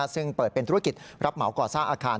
ซึ่งเปิดเป็นธุรกิจรับเหมาก่อสร้างอาคาร